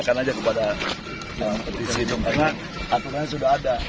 karena aturan sudah ada